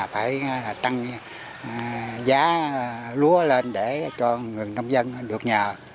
phải tăng giá lúa lên để cho người nông dân được nhờ